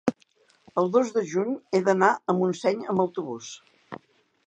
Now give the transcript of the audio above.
el dos de juny he d'anar a Montseny amb autobús.